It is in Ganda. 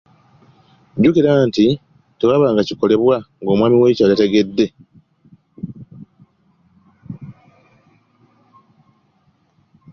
Jjukira nti tewaabanga kikolebwa ng’omwami w’ekyalo tategedde.